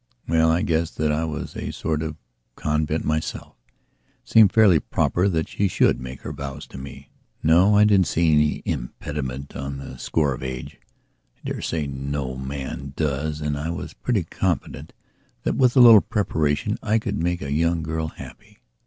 Well, I guess that I was a sort of convent myself; it seemed fairly proper that she should make her vows to me. No, I didn't see any impediment on the score of age. I dare say no man does and I was pretty confident that with a little preparation, I could make a young girl happy.